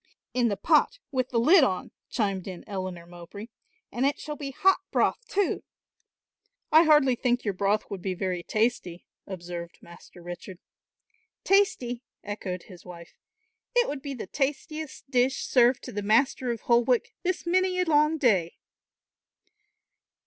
"In the pot, with the lid on," chimed in Eleanor Mowbray, "and it shall be hot broth too." "I hardly think your broth would be very tasty," observed Master Richard. "Tasty," echoed his wife; "it would be the tastiest dish served to the Master of Holwick this many a long day."